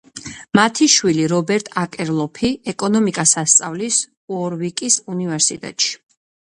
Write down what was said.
მათი შვილი, რობერტ აკერლოფი ეკონომიკას ასწავლის უორვიკის უნივერსიტეტში.